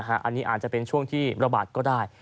อันนี้อาจจะเป็นช่วงที่ระบาดก็ได้